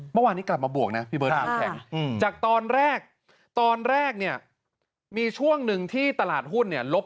เมื่อวานนี้กลับมาบวกนะจากตอนแรกตอนแรกเนี่ยมีช่วงหนึ่งที่ตลาดหุ้นเนี่ยลบ